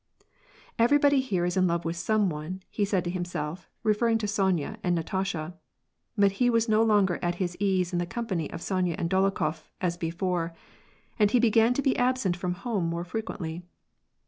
" Everybody here is in love with some one," he said to him self, referring to Sonya and Natasha. But he was no longer at his ease in the company of Sonya and Dolokhof, as before, and he began to be absent from home more frequently.